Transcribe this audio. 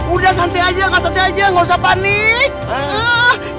udah santai aja gak santai aja nggak usah panik